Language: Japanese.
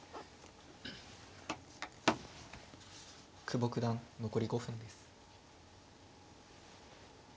久保九段残り５分です。